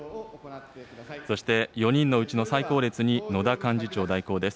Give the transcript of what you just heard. そして４人のうちの最後列に野田幹事長代行です。